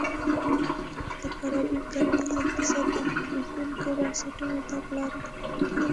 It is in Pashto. د کارابین کرنیز اقتصاد کې د زبېښونکو بنسټونو تګلاره